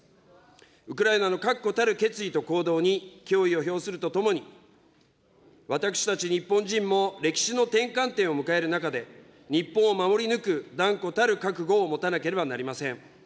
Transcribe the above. ウクライナの確固たる決意と行動に敬意を表するとともに、私たち日本人も歴史の転換点を迎える中で、日本を守り抜く断固たる覚悟を持たなければなりません。